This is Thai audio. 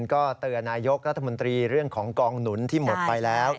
ก็เตือนนายกรัฐมนตรีเรื่องของกองหนุนที่หมดไปแล้ว